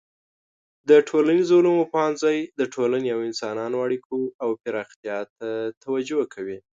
د ټولنیزو علومو پوهنځی د ټولنې او انسانانو اړیکو او پراختیا ته توجه کوي.